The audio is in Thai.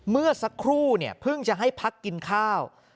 เมื่อสักครู่เนี่ยเพิ่งจะให้พักกินข้าว